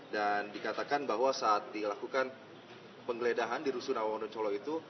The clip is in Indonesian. dan dikatakan bahwa saat dilakukan penggeledahan di rusunawa wonocolo itu